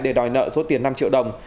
để đòi nợ số tiền năm triệu đồng